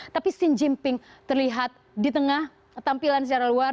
tapi xi jinping terlihat di tengah tampilan secara luar